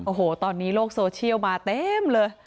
โอ้โหตอนนี้โลกโซเชียลมาเต็มเลย